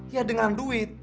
ya dengan duit